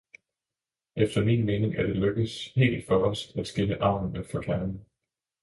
Efter min mening er det lykkedes helt for os at skille avnerne fra kernerne.